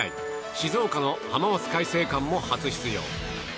静岡の浜松開誠館も初出場。